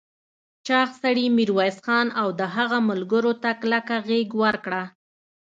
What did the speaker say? چاغ سړي ميرويس خان او د هغه ملګرو ته کلکه غېږ ورکړه.